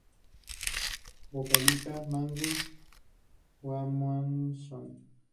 Vocalista: Magnús Guðmundsson.